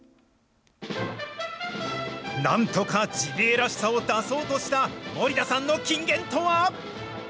なんとかジビエらしさを出そうとした森田さんの金言とは。